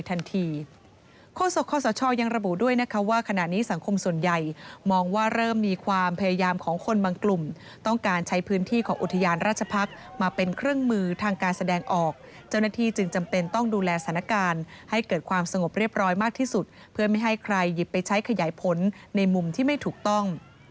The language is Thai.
อุทยานราชพักษ์มาเป็นเครื่องมือทางการแสดงออกเจ้าหน้าที่จึงจำเป็นต้องดูแลสถานการณ์ให้เกิดความสงบเรียบร้อยมากที่สุดเพื่อไม่ให้ใครหยิบไปใช้ขยายผลในมุมที่ไม่ถูกต้อง